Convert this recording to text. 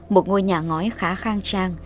một ngôi nhà ngói khá khang trang